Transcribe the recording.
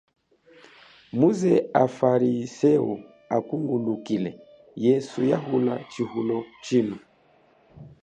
Muze afarisewu akungulukile yesu yahula chihulo chino.